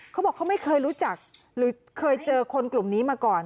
เขาบอกเขาไม่เคยรู้จักหรือเคยเจอคนกลุ่มนี้มาก่อน